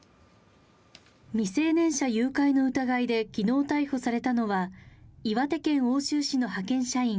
未成年者誘拐の疑いで昨日逮捕されたのは岩手県奥州市の派遣社員